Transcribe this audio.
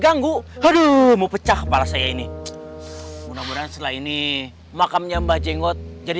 ganggu haduh mau pecah kepala saya ini menambah selain makamnya mbak jenggot jadi